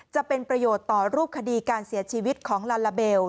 จะเป็นประโยชน์ต่อรูปคดีการเสียชีวิตของลาลาเบล